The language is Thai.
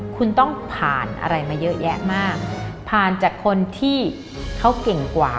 คุณต้องผ่านอะไรมาเยอะแยะมากผ่านจากคนที่เขาเก่งกว่า